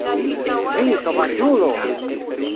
Vi sovaĝulo!